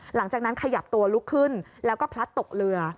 หลังจากนั้นขยับตัวลุกขึ้นแล้วก็พลัดตกเรือ